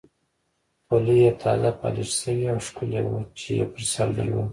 خولۍ یې تازه پالش شوې او ښکلې وه چې یې پر سر درلوده.